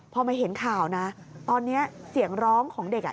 พอมาเห็นข่าวนะตอนนี้เสียงร้องของเด็กอ่ะ